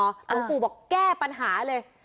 หลวงปู่บอกแก้ปัญหาเลย